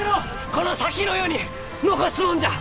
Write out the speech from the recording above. この先の世に残すもんじゃ！